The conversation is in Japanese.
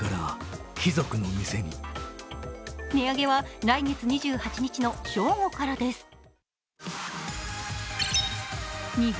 値上げは来月２８日の正午からです。